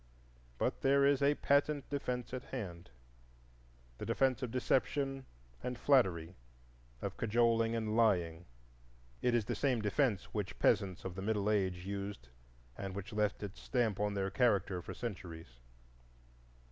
But there is a patent defence at hand,—the defence of deception and flattery, of cajoling and lying. It is the same defence which peasants of the Middle Age used and which left its stamp on their character for centuries.